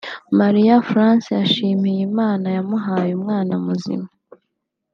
Marie France yashimiye Imana yamuhaye umwana muzima